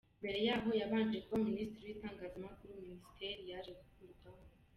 Mbere yaho yabanje kuba minisitiri w'itangazamakuru - minisiteri yaje gukurwaho.